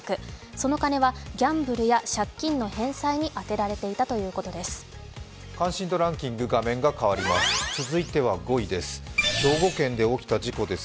その金はギャンブルや借金の返済に充てられていたということです。